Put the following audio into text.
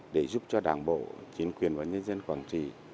để giúp cho đảng bộ chính quyền và nhân dân quảng trị